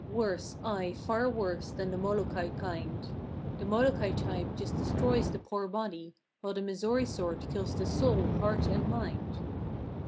Worse, aye, far worse than the Molokai kind— The Molokai type just destroys the poor body. While the Missouri sort kills the soul, heart and mind.